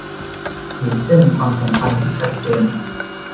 ขีดเส้นความสัมพันธ์ที่ชัดเจน